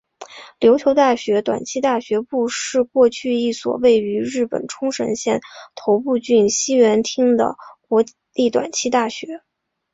琉球大学短期大学部是过去一所位于日本冲绳县中头郡西原町的国立短期大学。